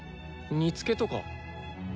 煮つけとか？